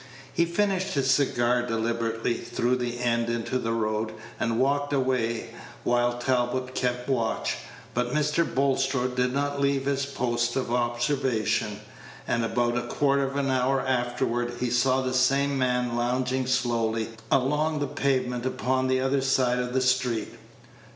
He finished his cigar deliberately, threw the end into the road, and walked away while Talbot kept watch; but Mr. Bulstrode did not leave his post of observation, and about a quarter of an hour afterward he saw the same man lounging slowly along the pavement upon the other side of the street.